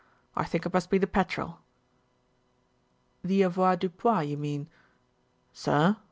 "I think it must be the petrol." "The avoirdupois, you mean." "Sir?"